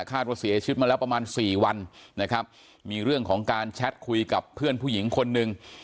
ว่าเสียชีวิตมาแล้วประมาณสี่วันนะครับมีเรื่องของการแชทคุยกับเพื่อนผู้หญิงคนหนึ่ง